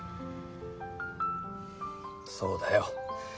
そうだよ。